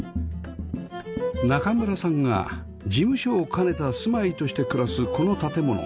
中村さんが事務所を兼ねた住まいとして暮らすこの建物